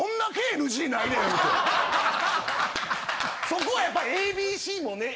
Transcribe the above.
そこはやっぱりＡＢＣもね